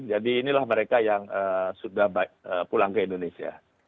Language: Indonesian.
jadi inilah mereka yang sudah pulang ke indonesia